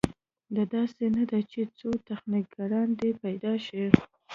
دا داسې نه ده چې څو تخنیکران دې پیدا شي.